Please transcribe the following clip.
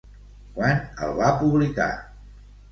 Quan el va publicar?